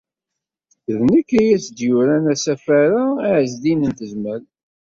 D nekk ay as-d-yuran asafar-a i Ɛezdin n Tezmalt.